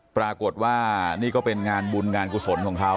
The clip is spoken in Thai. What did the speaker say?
ปรากฏว่านี่ก็เป็นงานบุญงานกุศลของเขา